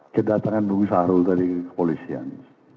kedatangan bung saharul tadi kepolisian